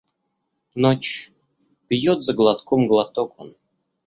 Ночь пьет за глотком глоток он.